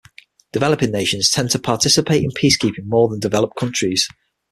Developing nations tend to participate in peacekeeping more than developed countries.